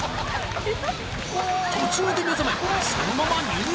途中で目覚めそのまま入浴！